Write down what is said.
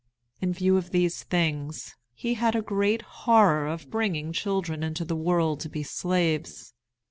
In view of these things, he had a great horror of bringing children into the world to be slaves.